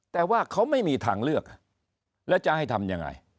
แต่ว่าเขาไม่มีทางเลือกแล้วจะให้ทำยังไง